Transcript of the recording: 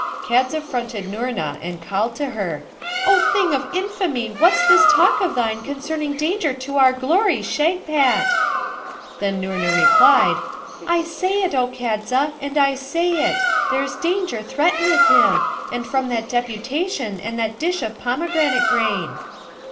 Kadza fronted Noorna, and called to her, 'O thing of infamy, what's this talk of thine concerning danger to our glory, Shagpat?' Then Noorna replied, 'I say it, O Kadza! and I say it; there's danger threateneth him, and from that deputation and that dish of pomegranate grain.'